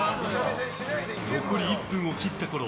残り１分を切ったころ